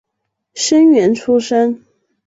生员出身。